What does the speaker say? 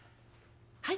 「はい？」。